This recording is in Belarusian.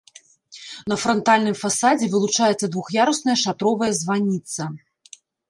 На франтальным фасадзе вылучаецца двух'ярусная шатровая званіца.